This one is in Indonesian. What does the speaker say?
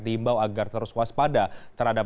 diimbau agar terus waspada terhadap